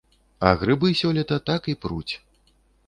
А грыбы сёлета так і пруць!